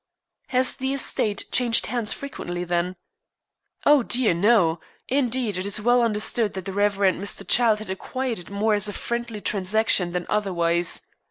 "Has the estate changed hands frequently then?" "Oh, dear, no. Indeed, it is well understood that the Rev. Mr. Childe acquired it more as a friendly transaction than otherwise.